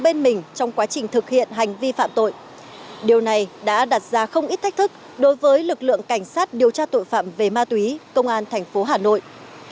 cảnh sát điều tra tội phạm về ma túy công an tp hà nội vẫn âm thầm bền bỉ quan sát di biến động của các đối tượng